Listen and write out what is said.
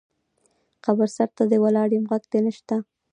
قبر سرته دې ولاړ یم غږ دې نه شــــته